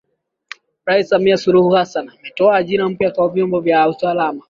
Rais Samia Suluhu Hassan ametoa ajira mpya kwa vyombo vya usalama